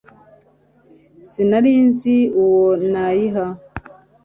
Sinari nzi uwo nayiha